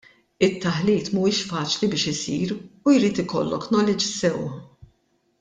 It-taħlit mhuwiex faċli biex isir u jrid ikollok knowledge sew.